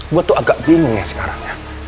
gue tuh agak bingung ya sekarang ya